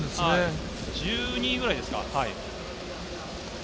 １２位ぐらいですか。